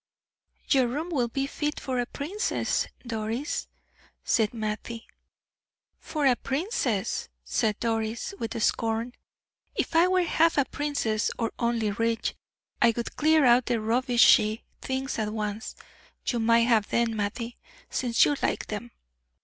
"Your room will be fit for a princess, Doris," said Mattie. "For a princess!" said Doris, with scorn. "If I were half a princess, or only rich, I would clear out the rubbishy things at once. You might have them, Mattie, since you like them.